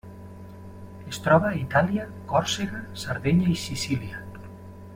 Es troba a Itàlia, Còrsega, Sardenya i Sicília.